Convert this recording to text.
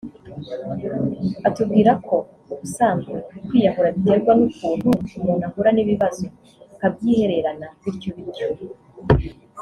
atubwira ko ubusanzwe kwiyahura biterwa n’ukuntu umuntu ahura n’ibibazo akabyihererana bityo bityo